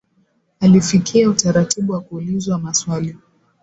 Alifikia utaratibu wa kuulizwa maswali